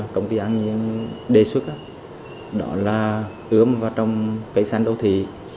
công ty anh nhân đề xuất đó là ướm vào trong cây xanh đô thị